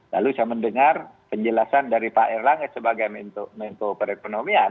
lalu saya mendengar penjelasan dari pak erlangga sebagai menko perekonomian